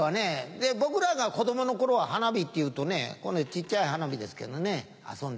で僕らが子供の頃は花火っていうとねこんな小っちゃい花火ですけどね遊んで。